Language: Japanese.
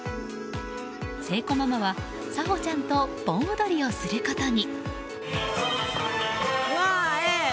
青子ママはさほちゃんと盆踊りをすることに。